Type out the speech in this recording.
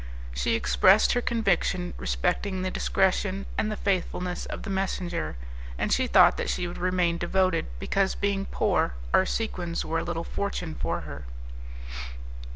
She expressed her conviction respecting the discretion and the faithfulness of the messenger, and she thought that she would remain devoted, because, being poor, our sequins were a little fortune for her.